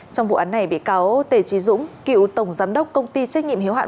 trong vụ án này bị cáo tề trí dũng cựu tổng giám đốc công ty trách nhiệm hiếu hạn